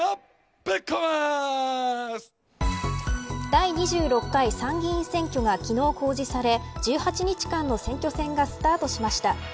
第２６回参議院選挙が昨日公示され１８日間の選挙戦がスタートしました。